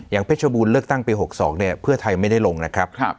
อย่างเพชรบูรณ์เลิกตั้งปี๖๒เพื่อไทยไม่ได้ลงนะครับ